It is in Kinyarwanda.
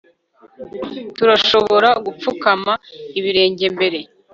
Turashobora gupfukama ibirenge mbere